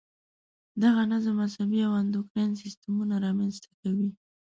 دغه نظم عصبي او انډوکراین سیستمونه را منځته کوي.